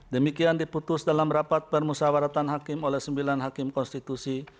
demikian diputus dalam rapat permusawaratan hakim oleh sembilan hakim konstitusi